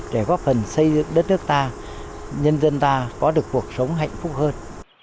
để góp phần xây đất nước ta nhân dân ta có được cuộc sống hạnh phúc hơn